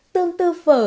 tương tư phở